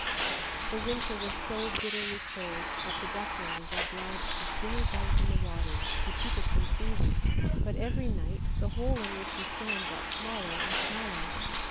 The winter was so bitterly cold that the duckling was obliged to swim about in the water to keep it from freezing, but every night the hole in which he swam got smaller and smaller.